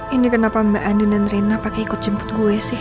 ini kenapa mbak andi dan rina pakai ikut jemput gue sih